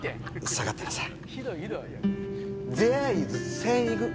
下がってなさい。